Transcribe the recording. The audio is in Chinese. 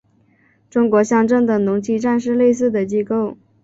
中国乡镇的农机站是类似的机构。